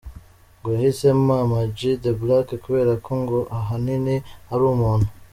Ngo yahisemo Ama G The Black kubera ko ngo ahanini ari umuntu.